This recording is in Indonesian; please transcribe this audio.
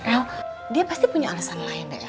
el dia pasti punya alasan lain el